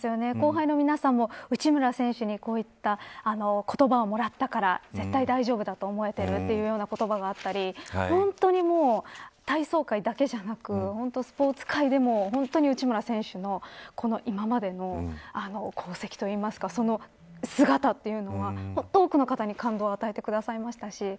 後輩の皆さんも、内村選手にこういった言葉をもらったから絶対大丈夫だと思えているというな言葉があったり本当に体操界だけでなくスポーツ界でも、内村選手の今までの功績といいますかその姿というのは多くの方に感動を与えてくださいましたし。